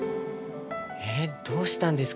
えどうしたんですか？